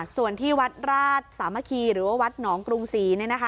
ส่วนที่วัดราชสามัคคีหรือว่าวัดหนองกรุงศรี